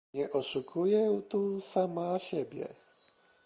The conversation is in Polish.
Nie oszukuję tu sama siebie